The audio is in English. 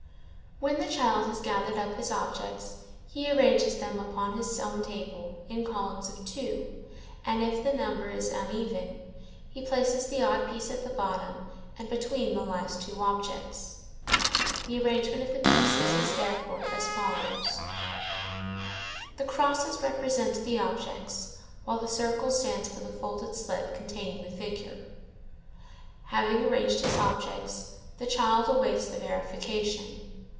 When the child has gathered up his objects he arranges them upon his own table, in columns of two, and if the number is uneven, he places the odd piece at the bottom and between the last two objects. The arrangement of the pieces is therefore as follows:– oooooooooo XXXXXXXXXXXXXXXXXXX XXXXXXXXXXXXXXX XXXXXXXXXXX XXXXXXX XXX The crosses represent the objects, while the circle stands for the folded slip containing the figure. Having arranged his objects, the child awaits the verification.